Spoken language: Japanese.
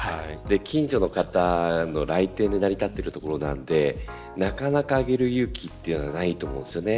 近所の方の来店で成り立っているところなのでなかなか上げる勇気というのはないと思うんですよね。